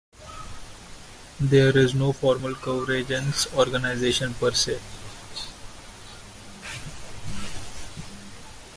There is no formal Convergence organization per se.